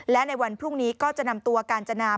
และในวันพรุ่งนี้ก็จะนำตัวกาญจนา